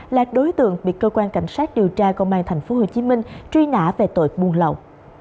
là đối tượng bị cơ quan cảnh sát điều tra công an tp hcm truy nã về tội buôn lậu